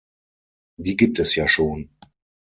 Die gibt es ja schon.